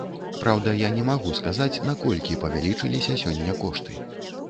Праўда, я не магу сказаць, наколькі павялічыліся сёння кошты.